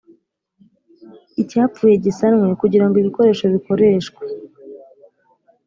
Icyapfuye Gisanwe Kugira Ngo Ibikoresho Bikoreshwe